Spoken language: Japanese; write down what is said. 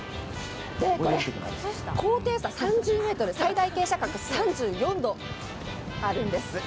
これ、高低差３０ｍ、最大傾斜角３４度あるんです。